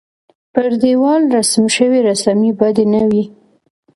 پر دېوال رسم شوې رسامۍ بدې نه وې.